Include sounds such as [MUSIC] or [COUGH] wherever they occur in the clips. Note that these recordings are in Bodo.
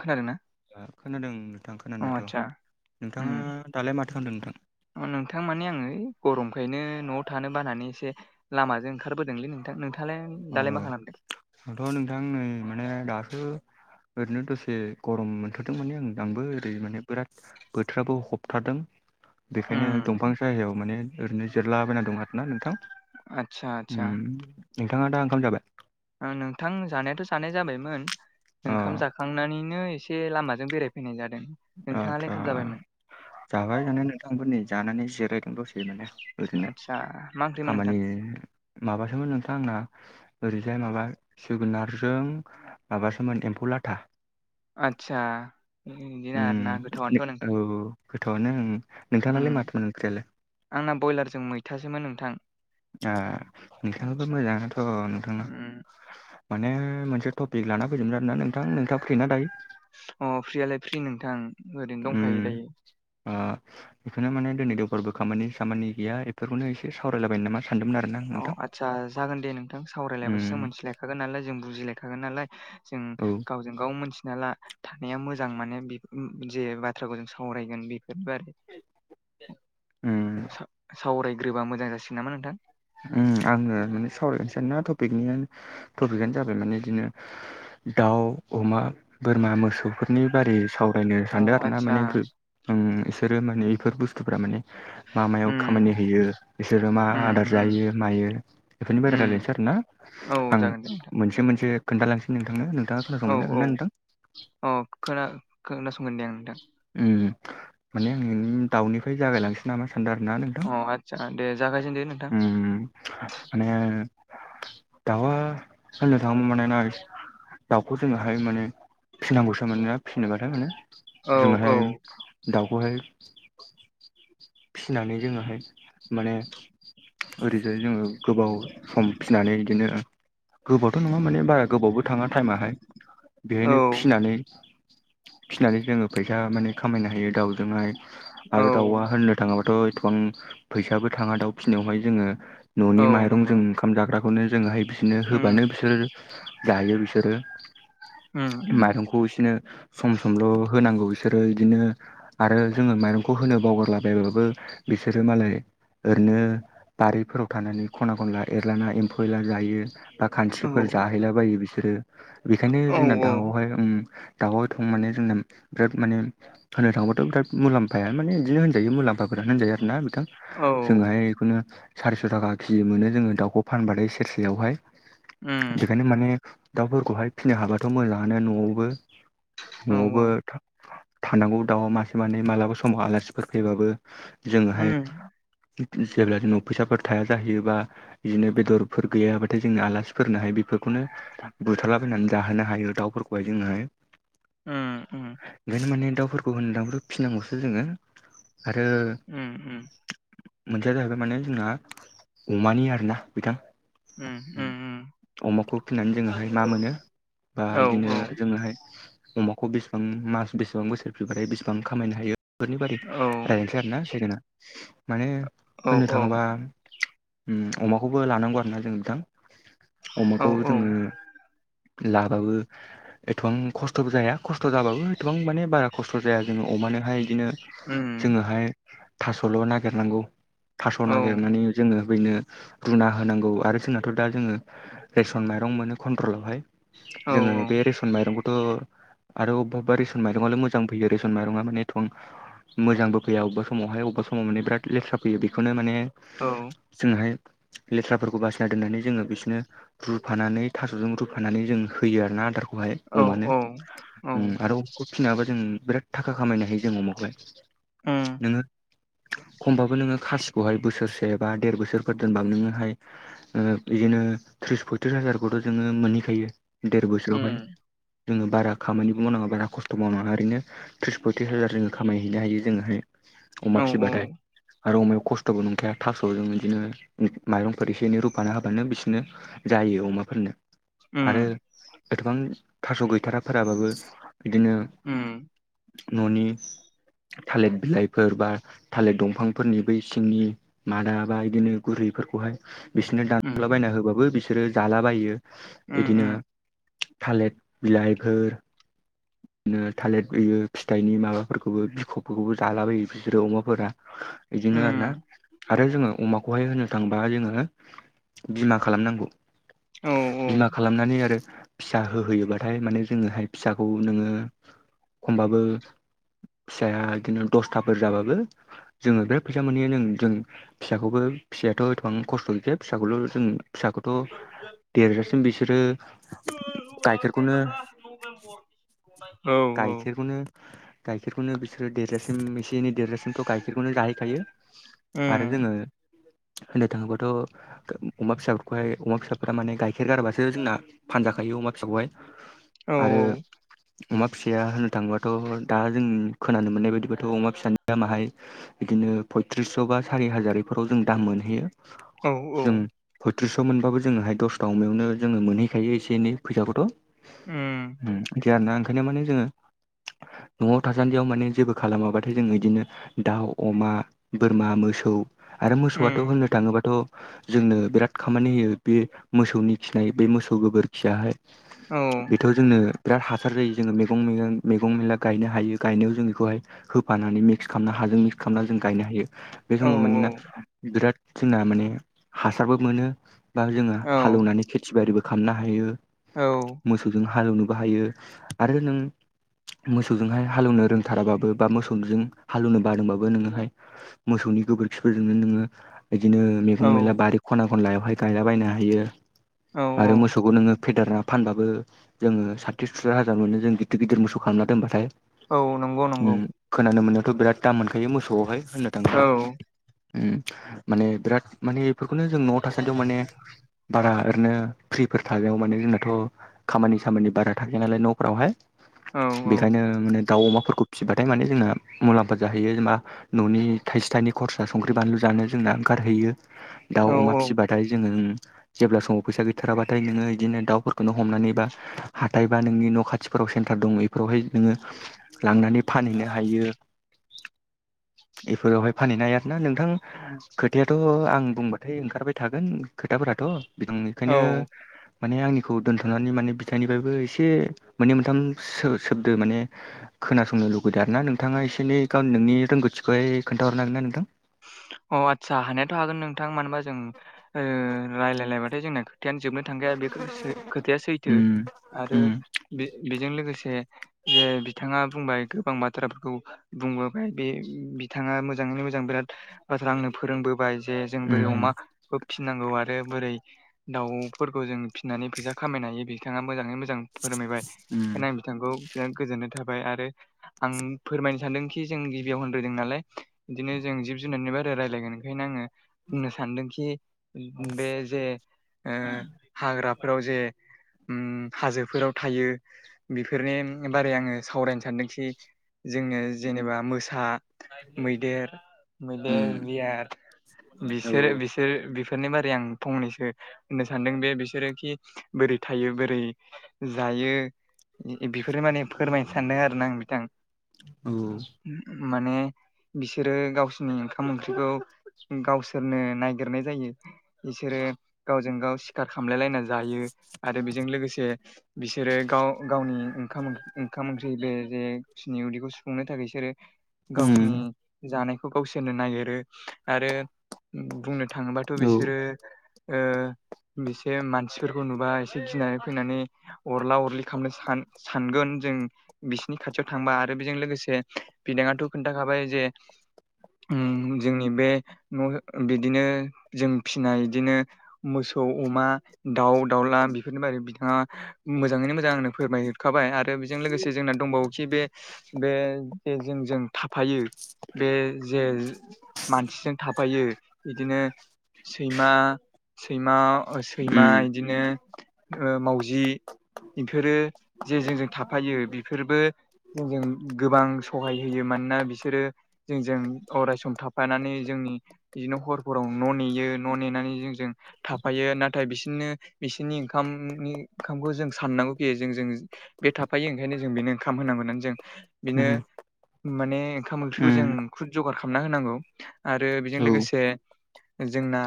खोनादोना? खोनादों नोंथां खोनानायाथ' नोंथाङा दालाय माथो खालामदों नोंथां? ओ नोंथां माने आङो ओइ गरमखायनो न'आव थानो बानानै एसे लामाजों ओंखारबोदोंलै नै। नोंथाङालाय अ दालाय मा खालामदों? आंथ' नोंथां नै माने दासो ओरैनो दसे गरम मोनथारदों माने आं आंबो ओरै माने बिराद बोथोराबो हबथादों। बेखायनो उम दंफां साहायाव माने ओरैनो जिरलाबायना दं आरो ना नोंथां। आदसा आदसा उम नोंथाङा दा ओंखाम जाबाय? ओं नोंथां जानायाथ' जानाय जाबायमोन अ ओंखाम जाखांनानैनो एस से लामाजों बेरायफैनाय जादों नोंथाङा आदसा ओंखाम जाबायमोन? जाबाय जानाया नोंथांमोन नै जानानै जिरायदों दसे माने। ओरैनो आदसा मा ओंख्रिमोन नोंथां खामानि माबासोमोन नोंथां आंना ओरैजाय माबा जोगोनारजों माबासोमोन एम्फौ लाथा। आदसा इदिनो उम आरओ ना गोथावानोथ' औ नोंथां गोथावआनो ओं उम नोंथांनालाय माथो ओंख्रैयालाय? आंना बयलारजों मैथासोमोन नोंथां। ए नोंथांनाबो आदसा मोजांआनोथ' नोंथांना उम माने मोनसे टपिक लाना फैदोंमोन आरोना नोंथां नोंथाङा फ्रिना दायो? अ फ्रियालाय फ्रि नोंथां ओरैनो उम दंखायो दायो। ओ बेखौनो माने दिनै देवबारबो खामानि सामानि गैया एफोरखौनो एसे सावरायलाबायनो नामा सान्दोंमोन आरोना आं अ नोंथां आदसा जागोन दे नोंथां सावरायलायबासो जों उम मोनथिलायखागोन नालाय जों बुजिलायखागोन नालाय जों औ गावजों गाव मोनथिना ला थानाया मोजां माने बि ओम जे बाथ्राखौ जों सावरायगोन बे [UNINTELLIGIBLE] उम सा-सावरायग्रोबा मोजां जासिगोन नामा नोंथां ओम आङो माने सावरासैना टपिकनियानो टपिकआनो जाबाय माने इदिनो दाउ अमा बोरमा मोसौफोरनि बारै साव बायनो अ सानदों आरोना आदसा माने इफो ओम इसोरो माने इफोर बुस्थुफ्रा माने मा मायाव उम खामानि होयो बिसोरो मा उम आदार उम जायो मायो बेफोरनिफ्राय रायलायनोसै उम आरोना औ आं जागोन दे नोंथां मोनसे मोनसे खोनथालांसै नोंथांनो नों औ औ औ खोना-खोनासंगोन दे आं नोंथां। ओम माने आं दाउनिफ्राय जागायलांसै नामा सान्दों आरोना नोंथां अ आदसा दे जागायजेनदो नोंथां ओम माने दाउआ [UNINTELLIGIBLE] दाउखौ जोङोहाय माने फिनांगौसो मानोना फिनोबाथाय माने औ औ जोंहाय दाउखौहाय फिनानै जोङोहाय माने ओरैजाय जोङो गोबाव सम फिनानै इदिनो गोबावथ' नङा माने बारा गोबावबो थाङा टाइमाहाय औ बेहायनो फिनानै फिनानै जोङो फैसा माने खामायनो हायो दाउजोंहाय औ आरो दाउआ होननो थाङाबाथ' एदथ'बां फैसाबो थाङा दाउ फिनायावहाय जोङो औ न'नि नंगौ माइरंजों नंगौ ओंखाम जाग्राखौनो जोङोहाय बिदिनो उम होबानो बिसोर जायो बिसोरो उम माइरं खौ इसोनो सम समल' होनांगौ इसोरो इदिनो आरो जोङो माइरंखौ होनो बावगारला बायबाबो बिसोरो मालाय ओरैनो बारिफोराव थानानै खना खनला एरलाना एम्फौ एनला जायो। बा औ खानस्रिफोर जाहैलाबायो बिसोरो बेखायनो औ जोंना औ दाउआहाय ओम दाउआ एदथ'बां माने जोंना बिराद माने होनो थांबाथ' बिराद मुलाम्फाया माने बिदिनो होनजायो मुलाम्फा फोरानो होनजायो आरोना बिथां औ जोंहाय एखौनो सारिस' थाखा केजि मोनो जोङो दाउखौ फानबाथाय सेरसेयावहाय उम बेखायनो माने दाउफोरखौहाय फिनो हाबाथ' मोजाङानो न'आवबो औ न'आवबो थानांगौ दाउआ मासे मानै मालाबा समाव आलासिफोर फैबाबो जोङोहाय उम जेब्ला दिनाव फैसाफोर थाया जाहैयोबा इदिनो बेदरफोर गैयाबाथाय जोंनो आलासिफोरनोहाय बेफोरखौनो था बुथारलाबायनानै जाहोनो हायो दाउफोरखौहाय जोङोहाय ओम ओम ओंखायनो माने दाफोरखौ होनदांबो फिनांगौसो जोङो आरो उम उम मोनसेया जाहैबाय माने जोंना अमानि आरोना बिथां ओम ओम ओम अमाखौ फिनानै जोङोहाय मा मोनो बा औ इदिनो औ जोङोहाय अमाखौ बेसेबां मास बेसेबां बोसोर फिबाथाय बेसेबां खामायनो हायो। बेफोरनि बारै रायजायनोसै आरोना सकेना माने औ होननो थाङोबा अमाखौबो लानांगौ आरोना जों नोंथां। औ अमाखौ औ जोंङो लाबाबो एथबां खस्थ'बो जाया खस्थ' जाबाबो एथबां माने बारा खस्थ' जाया जोंङो अमानोहाय बिदिनो उम जोंङोहाय थास'ल' नागिरनांगौ। थास' औ नागिरनानै जोंङो बेनो रुना होनांगौ आरो। जोंनाथ' दा जोंङो रेसन माइरं मोनो कन्ट्रलावहाय औ जोंङो बे रेसन रेसन माइरंखौथ' आरो अबा रेसन माइरंआल' मोजां फैयोे। माइरा मानि एथबां मोजांबो फैया अबेबा समावहाय अबेबा समाव माने बिराद लेथ्रा फैयो। बेखौनो माने जोंहाय लेथ्राफोरखौ बासिना दोननानै जोंङो बिसोरनो रुफानानै थास'जों रुफानानै जों होयो आरोना आदारखौ। औ अमानो औ आरो अमाखौ फिनाबा जों बिराद थाखा खामायनो हायो। जों अमाखोहाय उम नोंङो खमबाबो नोंङो खासिखौहाय बोसोरसे एबा देर बोसोरफोर दोनबा नोंङोहाय बिदिनो त्रिस पयथ्रिस हाजारखौथ' जोंङो मोनहैखायो। देर बोसोरावहाय उम जोंङो बारा खामानिबो मावनांङा बारा खस्थ' मावनांया ओरैनो त्रिस फय थ्रिस हाजार जो खामायहैनो हायो। जोंङोहाय औ अमा फिसिबाथाय उम आरो अमायाव खस्थ'बो नंखाया। थास' ज बिदिनो माइरंफोर एसे एनै रुफानो हाबानो बिसोरनो जायो अमाफोरनो। उम आरो गोबां थास' गैथाराफोराबाबो बिदिनो ओ। न'नि थालिर बिलाइफोर बा थालिर दंफांफोरनि बै सिंनि मादा बा इदिनो गुरैफोरखौहाय बिसोरनो दान'लाबायना होबाबो बिसोरो जालाबायो। उम बिदिनो थालिर बिलाइफोर बिदिनो थालिर होयो फिथाइनि माबाफोरखौबो बिख'फोरखौबो जाला बयो बिसोरो अमाफोरा। बिदिनो आरोना आरो जोंङो अमाखौहाय होननो थांबा जोंङो बिमा खालामनांगौ। औ औ उम औ बिमा खालामनानै आरो फिसा होहोयोबाथाय माने जोंङोहाय फिसा खौ नोंङो खमबाबो फिसाया बिदिनो दसथाफोर जाबाबो जोंङो बिराद फैसा मोनहैयो। जों जों फिसाखौबो फिसायाथ' एथबां खस्थ' गैखाया फिसाखौल' जों फिसाखौ थ' देरजासिम बिसोरो गाइखेरखौनो नभेम्बर गायखेर खनो गाइखेरखौनो बिसोर देरलासिम मसे देरजासिम' गायखेर बेखौनो जाहैखायो उम आरो उम औ जोंङो होननो थांङोबाथ' अमा फिसाफोरखौहाय अमा फिसाफ्रा माने गाइखेर गारबासो जोंना फानजाखायो अमा फिसाखौहाय आरो अमा फिसाया होननो थाङोबाथ' दा जों खोनानो मोननाय बायदिबथ' अमा फिसा दामाहाय बिदिनो पयथ्रिसस' बा सारि हाजारफोराव जों दाम मोनहैयो। जों फयथ्रिस' मोनबाबो जोङोहाय दसथा अमायावनो जोंङो मोनहैखायो एसे एनै फैसाखौथ'। ओ। दि आरोना। ओंखायनो माने जोंङो न'आव थासान्दियाव माने जेबो खालामाब्लाथाय जोंङो बिदिनो दाउ अमा बोरमा मोसौ आरो मोसौआथ' होननो थाङोबाथ' जोंनो बिराद खामानि होयो। बे मोसौनि खिनाय बे मोसौ गोबोरखियाहाय औ बेथ' जोंनो बिराद हासार जायो। जोङो मैगंगं मैगं मेला गायनो हायो गायनायाव जों बेखौहाय होफानानै मिक्स खालामना हाजों मिक्स खालामनानै जों गायनो हायो। बे समाव मानोना बिराद जोंना माने हासारबो मोनो बा जोङो औ हालेवनानै खेथि बारिबो खालामनो हायो औ औ मोसौजों हालौवनो बाहायो आरो नों मोसौजोंहाय हालेएवनो रोंथाराबाबो बा मोसौजों हालौवनो बादोंबाबो नोङोहाय मोसौनि गोबोरखिफोरजोंनो नोङो बिदिनो औ मैगं मैला बारि खना खनलायावहाय गायलाबायायनो हायो औ औ आरो मोसौखौ नोङो फेदेरना फानबाबो जोङो साथिस सुस हाजार मोनो जों गिदिर गिदिर मोसौ खालामना दोनबाथाय औ नंगौ नंगौ उम खोनानो मोननायावथ' बिराद दाम मोनखायो मोसौआवहाय होननो औ थाङोब्ला उम माने बिराद माने बेफोरखौनो जों न'आव दासान्दै माने बारा ओरैनो फ्रिफोर थागायाव माने जोंनाथ' खामानि सामानि बारा थायो नालाय न'फोरावहाय औ बेखायनो माने दाउ अमाफोरखौ फिसिबाथाय माने जोंना मुलाम्फा जाहैयो जेनबा न'नि थाइसे थाइनै खरसा संख्रि बानलु जानो जोंना ओंखारहैयो दाउ औ अमा फिसिब नाथाय जोङो जेब्ला समाव फैसा गैथाराबाथाय नोङो बिदिनो दाउफोरखौनो हमनानै बा हाथाय बा नोंनि न' खाथिफोराव सेन्टार दं बेफोरावहाय नोङो लांनानै फानहैनो हायो बेफोरावहाय फानहैनाय आर ना नोंथां खोथायाथ' आं बुंबाथाय ओंखारबाय थागोन खोथाफोराथ' बिथां बेखायनो औ माने आंनिखौ दोनथ'नानै माने बिथां दानि [UNINTELLIGIBLE] फ्रायबो एसे मोननै मोनथाम सोबद माने खोनासंनो लुगैदों आर ना नोंथाङा एसे एनै गावनि नोंनि रोंगौथिखौहाय खोनथाहरनो हागोन ना नोंथां अ आदसा हानायाथ' हागोन नोंथां मानो होनबा जों रायजलायलायबाथाय जोंना खोथायानो जोबनो थांगाया बे खोथाया सैथो उम आरो उम बे बेजों लोगोसे जे बिथाङा बुंबाय गोबां बाथ्राफोरखौ बुंबोबाय बे बिथाङा मोजाङैनो मोजां बिराद बाथ्रा आंनो फोरोंबोबाय जे जों बोरै उम अमाखौ फिननांगौ आरो बोरै दाउफोरखौ जों फिसिनानै फैसा खामायनो हायो बिथाङा मोजाङै मोजां फोरमायबाय उम बेखायनो आं बिथांखौ बिराद गोजोननाय थाबाय आरो आं फोरमायनो सानदोंखि जों गिबियाव होनग्रोदों नालाय बिदिनो जों जिब जुनारनि बार रायज्लायगोन ओंखायनो आङो बुंनो सानदोंखि बे जे हाग्राफोराव जे उम हाजोफोराव थायो बेफोरनि बारै आङो सावरायनो सानदोंखि जोङो जेनेबा मोसा मैदेर मैदेर उम बियाद बिसोरो बि बिसोर बेफोरनि बारै आं फंनैसो होननो सानदों बे बिसोरोखि बोरै थायो बोरै जायो बेफोरो माने फोरमायनो सानदों आरो ना आं बिथां औ माने बिसोरो गावसोर ओंखाम ओंख्रिखौ गावसोरनो नायगिरनाय जायो बिसोरो गावजों गाव सिखार खामलायलायना जायो आरो बेजों लोगोसे बिसोरो गाव गावनि ओ ओंखाम ओंख्रि बे जे गावसोरनि उदैखौ सुफुंनो थाखाय बिसोरो औ गावसिरनि जानायखौ गावसोरनो नागिरो आरो बुंनो थाङोबाथ' औ बिसोरो ओ बिसे मानसिफोरखौ नुबा एसे गिनानै फैनानै अरला अरलि खालामगोन सानगोन जों बिसिनि खाथियाव थांबा आरो बेजों लोगोसे बिदांङाथ' खोन्थाखाबाय जे उम जोंनि बे न' बिदिनो जों फिनाय बिदिनो मोसौ अमा दाउ दाउला बेफोरनि बारै बिथाङा मोजाङैनो मोजां आंनो फोरमायहरखाबाय आरो आरो बेजों लोगोसे जोंना दंबावोखि बे बेजोंजों थाफायो बे जे मानसिजों थफायो बिदिनो सैमा सैमा सैमा। बिदिनो मावजि। बेफोरो जे जोंजों थाफायो बेफोरबो जोंजों गोबां सहाय होयो मानोना बिसोरो जोंजों अरायसम थाफानानै जोंनि बिदिनो हरफोराव न' नेयो न' नेनानै जोंजों। थाफायो नाथाय बिसोरनो बिसोरनि ओंखामनि ओंखामखौ जों साननांगौ गैयो जों जों। बे थाफायो ओंखायनो जों बेनो ओंखाम होनांगौ होननानै जों बेनो माने ओंखाम ओंख्रिखौ जों खुद जगार खालामना होनांगौ आरो बेजों लोगोसे जोंना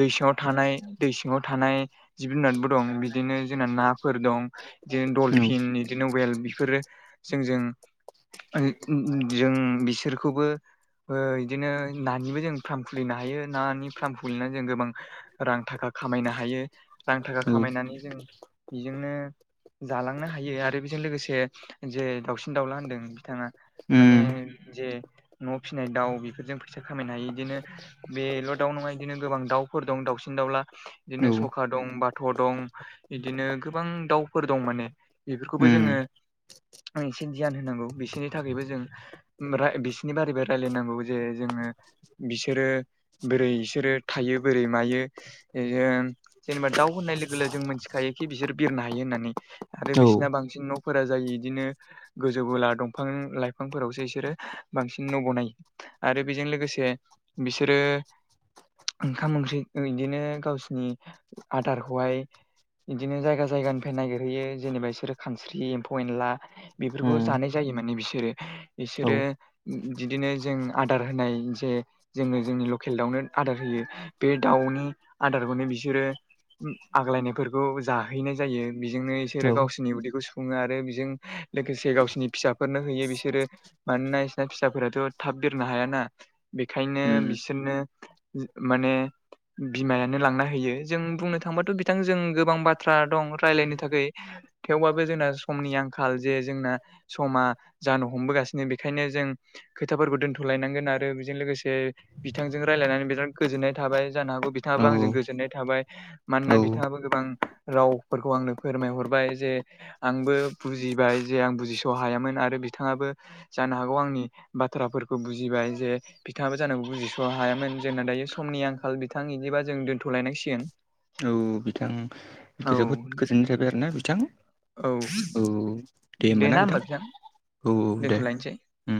दै सिङाव थानाय दै सिङाव थानाय जिब जुनारबो दं बिदिनो जोंना नाफोर दं। बिदिनो दलफिन बिदिनो वेल बेफोरो जों जों जों बिसोरखौबो बिदिनो नानिबो जों फार्म खुलिनो हायो नानि फार्म खुलिनानै जों गोबां रां थाखा खामायनो हायो रां थाखा खामायनानै जों बेजोंनो जालांनो हायो आरो बेजों लोगोसे जे दाउसिन दाउला होन्दों बिथाङा माने जे न' फिसिनाय दाउ बेफोरजों फैसा खामायनो हायो बिदिनो बेल' दाउ नङा बिदिनो गोबां दाउफोर दं दाउसिन दाउला बिदिनो सखा दं बाथ' दं। बिदिनो गोबां दाउफोर दं माने बेफोरखौबो जोङो सि गियान होनांगौ बिसोरनि थाखायबो जों बि बिनि बारैबो रायजलायनांगौ जे जोङो बिसोरो बोरै बिसोरो थायो बोरै मायो। जेनेबा दाउ होननाय लोगो लोगो जों मोनथिखायोखि बिसोर बिरनो हायो होननानै आरो बिसिना बांसिन न'फोरा जायो इदिनो गोजौ गुला दंफां लाइफांफोरावसो बिसोरो बांसिन न' गनायो आरो बेजों लोगोसे बिसोरो ओंखाम ओंख्रि इदिनो गावसिनि आदारखौहाय बिदिनो जायगा जायगानिफ्राय नागिरहैयो जेनेबा बिसोरो खानस्रि एम्फौ एनला बेफोरखौ जानाय जायो माने बिसोरो बिसोरो बिदिनो जों आदार होनाय जे जोङो जोंनि लकेल दाउनो आदार होयो बे दाउनि आदारखौनो बिसोरो आग्लायनायफोरखौ जाहैनाय जायो बेजोंनो इसोरो गावसोरनि उदैखौ सुफुङो आरो बेजों लोगोसे गावसिोरनि फिसाफोरनो होयो बिसोरो मानोना फि फिसाफोराथ' थाब बेरनो हायाना बेखायनो बिसोरनो माने बिमायानो लांना होयो जों बुंनो थांबाथ' बिथांजोंों गोबां बाथ्रा दं राय्लायनो थाखाय। थेवबाबो जोंना समनि आंखाल जे जोंना समा जानो हमबोगासिनो बेखायनो जों खोथाफोरखौ दोनथ'लायनांगोन आरो बेजों लोगोसे बिथांजों रायज्लायनानै बिराद गोजोननाय थाबाय जानो हागौ बिथाङाबो आंजों गोजोननाय थाबाय। मानोना बिथाङाबो गोबां रावफोरखौ आंनो फोरमायहरबाय जे आंबो बुजिबाय जे आं बुजिस' हायामोन आरो बिथाङाबो जानो हागौ आंनि बाथ्राफोरखौ बुजिबाय जे बिथाङाबो जानांगौ बुजिस' हायामोन जोंना दायो समनि आंखाल बिथां बिदिबा जों दोन्थ'लायनांसिगोन। औ बिथां औ जोबोद गोजोननाय थाबाय आरोोना बिथां। औ औ दे होमबाना ना बिथां होनोमबा बेबां औ दे दोन्थ'लायनोसै। उम